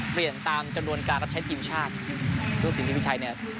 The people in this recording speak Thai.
เปลี่ยนตามจังหวังการรับใช้ทีมชาติซึ่งสินที่พี่ชัยเนี้ย